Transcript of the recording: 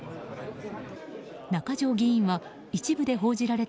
中条議員は一部で報じられた